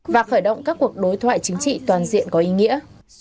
và khởi động các cuộc đối thoại chính trị toàn diện có ý nghĩa